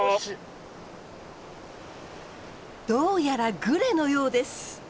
どうやらグレのようです！